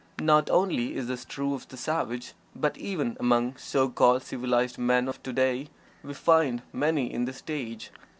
Not only is this true of the savage, but even among so called "civilized" men of to day we find many in this stage.